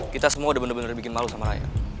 kita semua udah bener dua bikin malu sama rayang